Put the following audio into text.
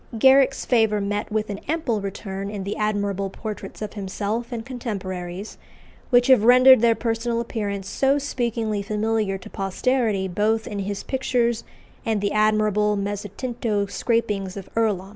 Garrick's favour met with an ample return in the admirable portraits of himself and contemporaries, which have rendered their personal appearance so speakingly familiar to posterity both in his pictures and the admirable mezzotinto scrapings of Earlom.